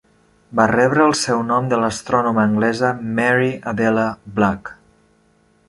Va rebre el seu nom de l'astrònoma anglesa Mary Adela Blagg.